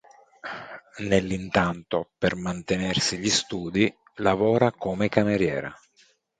Nell'intanto, per mantenersi gli studi, lavora come cameriera.